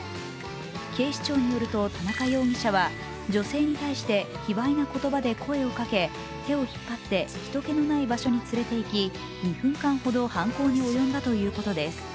警視庁によるすと田中容疑者は女性に対して卑わいな言葉で声をかけ手を引っ張って人けのない場所に連れていき、２分間ほど犯行に及んだということです。